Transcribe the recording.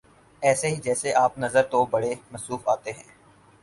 ایسے ہی جیسے آپ نظر تو بڑے مصروف آتے ہیں